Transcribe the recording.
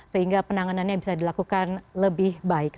sehingga penanganannya bisa dilakukan lebih baik